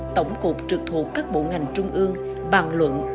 tổng cục trực thuộc các bộ ngành trung ương bàn luận